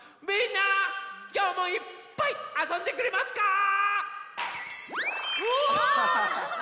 きょうもいっぱいあそんでくれますか？